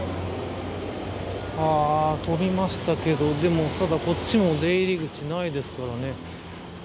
飛びましたけど、でもこっちも出入り口ないですからね。